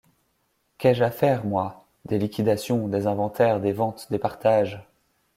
Qu’ai-je à faire, moi?... des liquidations, des inventaires, des ventes, des partages...